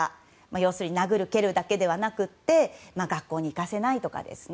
要するに殴る蹴るだけではなくて学校に行かせないとかですね。